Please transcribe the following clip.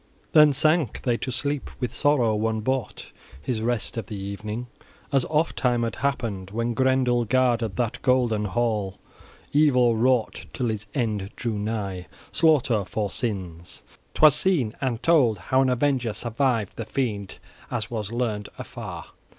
XIX THEN sank they to sleep. With sorrow one bought his rest of the evening, as ofttime had happened when Grendel guarded that golden hall, evil wrought, till his end drew nigh, slaughter for sins. 'Twas seen and told how an avenger survived the fiend, as was learned afar.